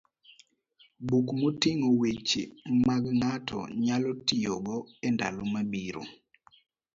buk moting'o weche ma ng'ato nyalo tiyogo e ndalo mabiro.